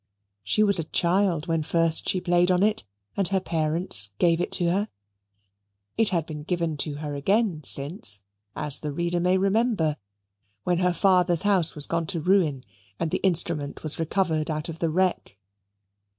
She was a child when first she played on it, and her parents gave it her. It had been given to her again since, as the reader may remember, when her father's house was gone to ruin and the instrument was recovered out of the wreck.